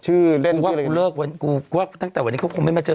เล่นว่ากูเลิกวันกูว่าตั้งแต่วันนี้เขาคงไม่มาเจอ